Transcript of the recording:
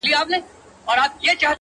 هغه مي سايلينټ سوي زړه ته,